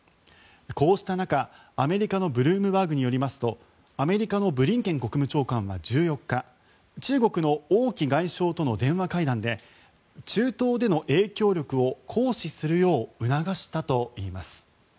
こうした中、アメリカのブルームバーグによりますとアメリカのブリンケン国務長官は１４日中国の王毅外相との電話会談で中東での影響力を行使するよう促したといいます。